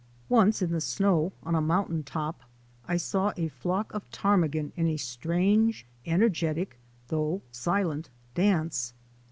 Once in the snow on a mountain top I saw a flock of ptarmigan in a strange, energetic, though silent, dance.